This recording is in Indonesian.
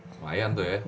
lumayan tuh ya